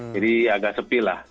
jadi agak sepi lah